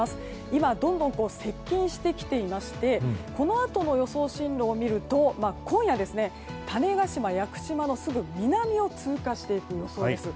今、どんどん接近してきていましてこのあとの予想進路を見ると今夜、種子島、屋久島のすぐ南を通過していく予想です。